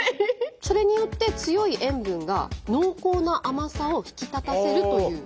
それによって強い塩分が濃厚な甘さを引き立たせるという。